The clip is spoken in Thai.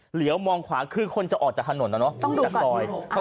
เหลือมองขวาคือคนจะออกจากถนนแล้วเนาะต้องดูดก่อนต้องดูดก่อน